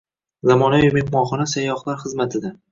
Zamonaviy mehmonxona sayyohlar xizmatida